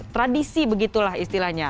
tradisi begitulah istilahnya